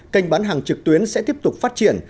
kênh bán hàng trực tuyến sẽ tiếp tục phát triển